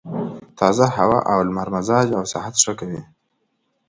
تازه هوا او لمر مزاج او صحت ښه کوي.